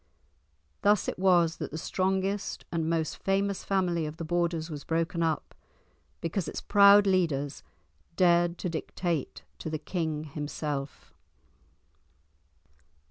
Thus it was that the strongest and most famous family of the Borders was broken up, because its proud leaders dared to dictate to the king himself.